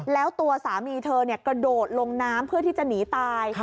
แล้วตัวสามีเธอกระโดดลงน้ำเพื่อที่จะหนีตาย